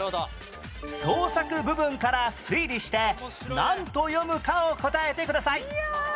創作部分から推理してなんと読むかを答えてください